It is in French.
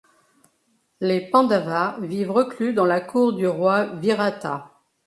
Les Pandava vivent reclus dans la cour du roi Virata.